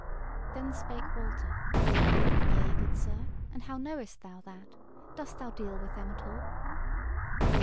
Then spake Walter: "Yea, good sir, and how knowest thou that? dost thou deal with them at all?"